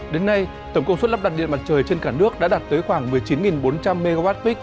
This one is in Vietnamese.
đến nay tổng công suất lắp đặt điện mặt trời trên cả nước đã đạt tới khoảng một mươi chín bốn trăm linh mwp